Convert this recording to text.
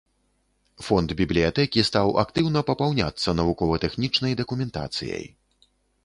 Фонд бібліятэкі стаў актыўна папаўняцца навукова-тэхнічнай дакументацыяй.